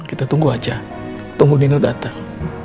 kita tunggu aja tunggu nino datang